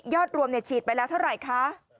รวมฉีดไปแล้วเท่าไหร่คะ